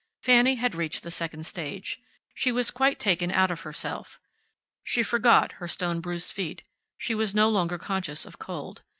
Fanny had reached the second stage. She was quite taken out of herself. She forgot her stone bruised feet. She was no longer conscious of cold.